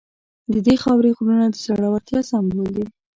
د دې خاورې غرونه د زړورتیا سمبول دي.